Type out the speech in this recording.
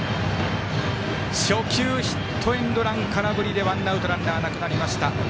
初球ヒットエンドラン空振りでワンアウト、ランナーなくなりました。